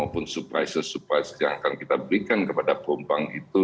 bisa supaya yang akan kita berikan kepada penumpang itu